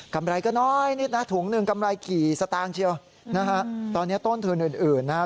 ไรก็น้อยนิดนะถุงหนึ่งกำไรกี่สตางค์เชียวนะฮะตอนนี้ต้นทุนอื่นอื่นนะฮะ